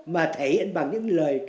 mà thể hiện bằng những lời